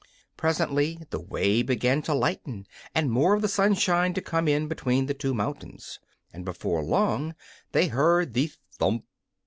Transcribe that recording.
Presently the way began to lighten and more of the sunshine to come in between the two mountains. And before long they heard the "thump!